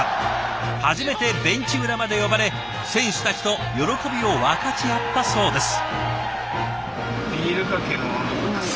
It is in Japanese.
初めてベンチ裏まで呼ばれ選手たちと喜びを分かち合ったそうです。